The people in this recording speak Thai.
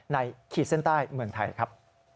ขีดเส้นใต้เมืองไทยครับ